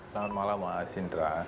selamat malam mas indra